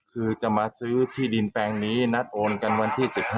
คือจะมาซื้อที่ดินแปลงนี้นัดโอนกันวันที่๑๕